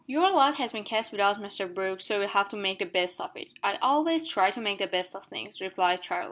"Your lot has been cast with us, Mr Brooke, so you'll have to make the best of it." "I always try to make the best of things," replied Charlie.